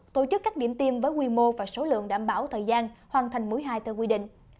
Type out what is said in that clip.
tổ chức các điểm tiêm với quy mô và số lượng đảm bảo thời gian hoàn thành mũi hai theo quy định